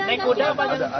naik kuda jangan kaki